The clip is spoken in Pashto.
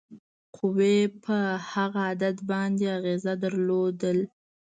قوې په هغه عدد باندې اغیزه درلوده.